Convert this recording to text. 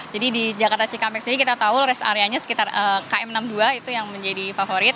jadi di jakarta cikamex tadi kita tahu rest area nya sekitar km enam puluh dua itu yang menjadi favorit